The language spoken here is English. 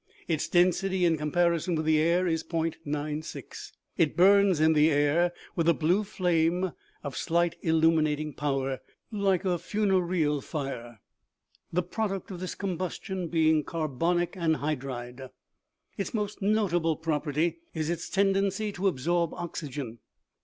Its density in comparison with the air is 0.96. It burns in the air with a blue flame of slight illuminating power, like a funereal fire, the product of this combustion being carbonic anhydride. " Its most notable property is its tendency to absorb oxygen.